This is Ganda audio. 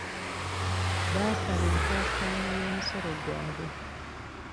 Baasaaba ensaasaanya y'omusolo gwabwe.